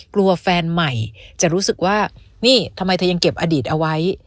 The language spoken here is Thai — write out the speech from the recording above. แฟนใหม่จะรู้สึกว่านี่ทำไมเธอยังเก็บอดีตเอาไว้